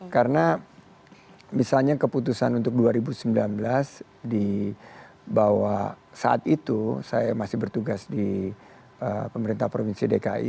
karena misalnya keputusan untuk dua ribu sembilan belas di bawah saat itu saya masih bertugas di pemerintah provinsi dki